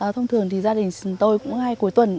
thông thường thì gia đình chúng tôi cũng hay cuối tuần